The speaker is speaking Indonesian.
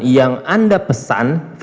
yang anda pesan